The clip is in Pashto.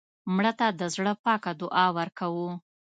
مړه ته د زړه پاکه دعا ورکوو